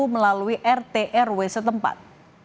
melalui rt rw setempat